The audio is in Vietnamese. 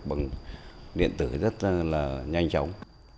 bằng điện tử rất là nhanh chóng